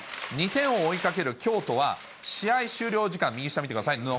２点を追いかける京都は、試合終了時間、右下見てください。